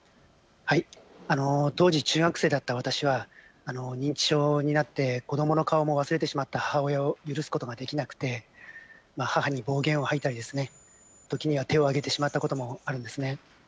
当時、中学生だった私は認知症になって子どもの顔も忘れてしまった母親を許すことができなくて母に暴言を吐いたり時には手をあげてしまったこともあります。